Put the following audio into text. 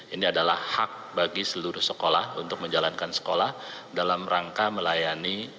ini adalah hak bagi seluruh sekolah untuk menjalankan sekolah dalam rangka melayani